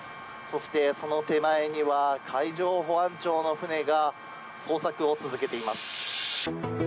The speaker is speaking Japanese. そして、その手前には海上保安庁の船が捜索を続けています。